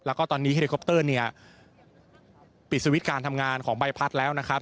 แล้วก็ตอนนี้เฮลิคอปเตอร์เนี่ยปิดสวิตช์การทำงานของใบพัดแล้วนะครับ